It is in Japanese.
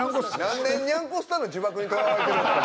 何年にゃんこスターの呪縛にとらわれてるんですか